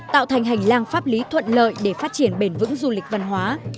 tạo thành hành lang pháp lý thuận lợi để phát triển bền vững du lịch văn hóa